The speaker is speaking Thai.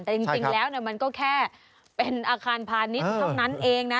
แต่จริงแล้วมันก็แค่เป็นอาคารพาณิชย์เท่านั้นเองนะ